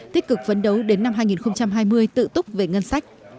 tích cực vấn đấu đến năm hai nghìn hai mươi tự túc về ngân sách